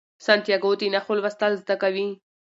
سانتیاګو د نښو لوستل زده کوي.